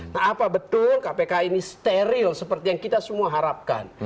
nah apa betul kpk ini steril seperti yang kita semua harapkan